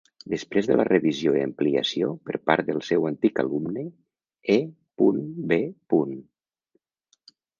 Després de la revisió i ampliació per part del seu antic alumne E. B.